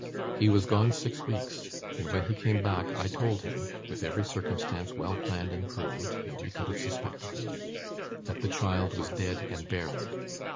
He was gone six weeks, and when he came back, I told him with every circumstance well planned and proved; nobody could have suspected me that the child was dead and buried.